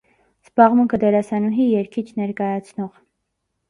Զբաղմունքը՝ դերասանուհի, երգիչ, ներկայացնող։